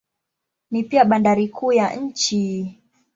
Ni pia bandari kuu ya nchi.